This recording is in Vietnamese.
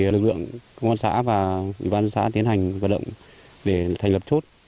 lực lượng công an xã và ủy ban xã tiến hành vận động để thành lập chốt